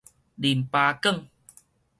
淋巴管